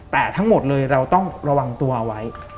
แต่ทั้งหมดเลยเราต้องระวังตัวไว้